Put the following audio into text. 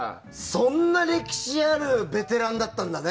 そんなに歴史あるベテランだったんだね。